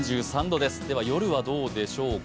夜はどうでしょうか？